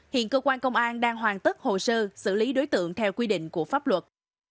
hiện cơ quan công an đang hoàn tất hồ sơ xử lý đối tượng theo quy định của pháp luật